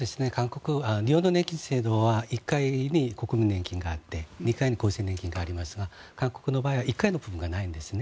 日本の年金制度は１階、国民年金があって２階に厚生年金がありますが韓国の場合は１階がないんですね。